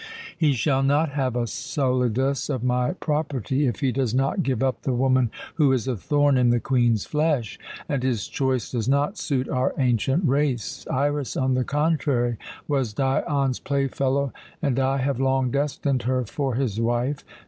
He shall not have a solidus of my property if he does not give up the woman who is a thorn in the Queen's flesh. And his choice does not suit our ancient race. Iras, on the contrary, was Dion's playfellow, and I have long destined her for his wife.